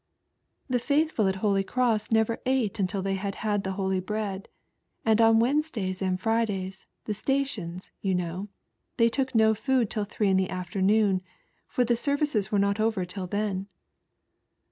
" The Faithful at Holy Cross never ate until they had had the Holy Bread, and on Wednesdays and Fridays, the stations, you know, they took no food till three in the afternoon, for the seiviees were not over till then."